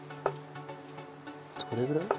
これぐらい？